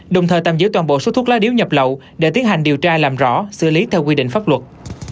đồng thời tạm giữ toàn bộ số thuốc lá điếu nhập lậu để tiến hành điều tra làm rõ xử lý theo quy định pháp luật